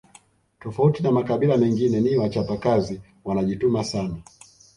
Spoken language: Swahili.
Tofauti na makabila mengine ni wachapakazi wanajituma sana